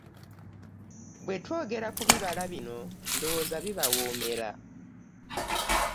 Bwe twogera ku bibala bino ndowooza bibawoomera.